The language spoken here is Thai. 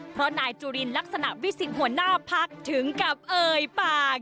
เพราะนายจุลินลักษณะวิสิทธิ์หัวหน้าพักถึงกับเอ่ยปาก